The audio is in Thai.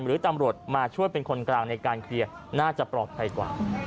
หรือตำรวจมาช่วยเป็นคนกลางในการเคลียร์น่าจะปลอดภัยกว่า